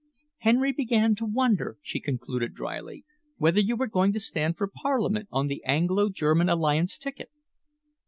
"Henry began to wonder," she concluded drily, "whether you were going to stand for Parliament on the Anglo German alliance ticket."